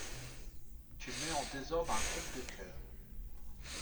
Tu mets en désordre un groupe de cœurs.